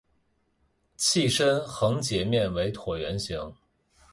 器身横截面为椭圆形。